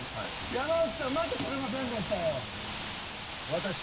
山内さんまた取れませんでしたよ。